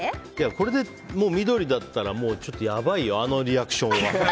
これで緑だったらやばいよ、あのリアクションは。